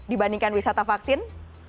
dibandingkan wisata vaksin